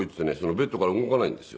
ベッドから動かないんですよ。